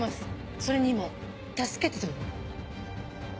それに今「助けて」と。